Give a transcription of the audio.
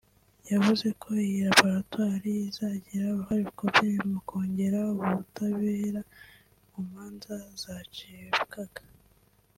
yavuze ko iyi laboratwari izagira uruhare rukomeye mu kwogera ubutabera mu manza zacibwaga